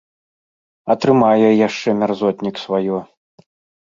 Атрымае яшчэ мярзотнік сваё.